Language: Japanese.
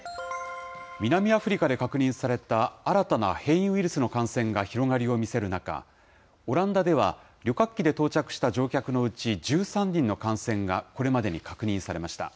南アフリカで確認された新たな変異ウイルスの感染が広がりを見せる中、オランダでは、旅客機で到着した乗客のうち１３人の感染がこれまでに確認されました。